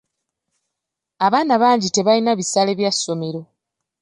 Abaana bangi tebalina bisale bya ssomero.